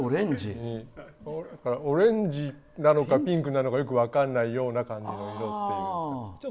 オレンジなのかピンクなのかよく分かんないような感じの色。